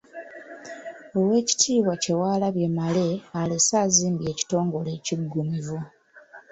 Oweekitiibwa Kyewalabye Male alese azimbye ekitongole ekiggumivu.